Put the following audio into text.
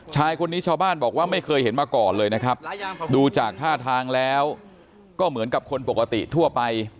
ชายคนนี้ชาวบ้านบอกว่าไม่เคยเห็นมาก่อนเลยนะครับดูจากท่าทางแล้วก็เหมือนกับคนปกติทั่วไป